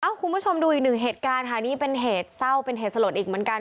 คุณผู้ชมดูอีกหนึ่งเหตุการณ์ค่ะนี่เป็นเหตุเศร้าเป็นเหตุสลดอีกเหมือนกัน